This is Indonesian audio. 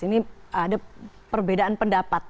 ini ada perbedaan pendapat